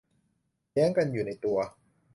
แย้งกันอยู่ในตัว